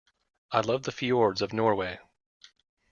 I love the fjords of Norway.